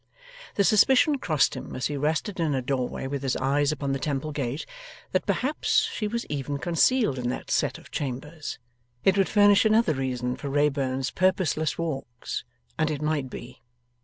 The suspicion crossed him as he rested in a doorway with his eyes upon the Temple gate, that perhaps she was even concealed in that set of Chambers. It would furnish another reason for Wrayburn's purposeless walks, and it might be.